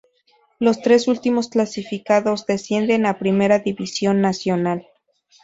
Los tres últimos clasificados descienden a Primera División Nacional.